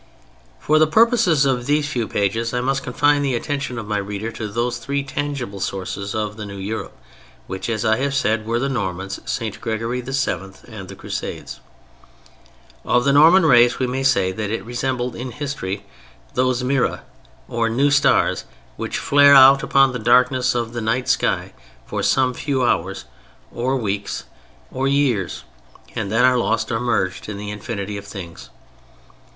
For the purposes of these few pages I must confine the attention of my reader to those three tangible sources of the new Europe, which, as I have said, were the Normans, St. Gregory VII., and the Crusades. Of the Norman race we may say that it resembled in history those miræ or new stars which flare out upon the darkness of the night sky for some few hours or weeks or years, and then are lost or merged in the infinity of things.